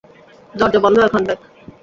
দরজা বন্ধ এখন, বেক।